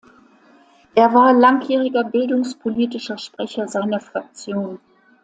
Er war langjähriger bildungspolitischer Sprecher seiner Fraktion.